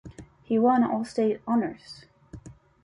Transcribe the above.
He won All-State honors.